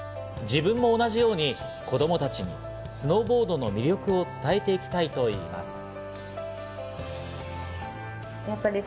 自分も同じように、子供たちにスノーボードの魅力を伝えていきたいと言います。